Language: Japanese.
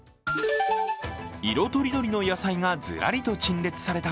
色とりどりの野菜がずらりと陳列された